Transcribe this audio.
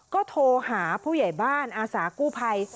ก็โทรหาผู้ใหญ่บ้านอาสากู้ภัย